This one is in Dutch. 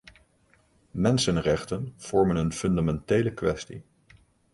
Mensenrechten vormen een fundamentele kwestie.